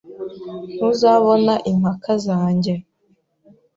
Ntuzabona impaka zanjye.